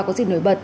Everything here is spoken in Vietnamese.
có gì nổi bật